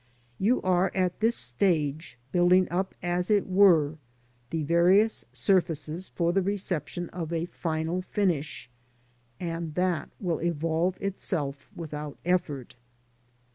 You are, at this stage, building up as it were the various surfaces for the reception of a final finish, and that will evolve itself without effort.